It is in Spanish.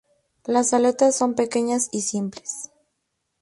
Las aletas son pequeñas y simples.